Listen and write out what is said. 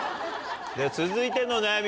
続いての悩み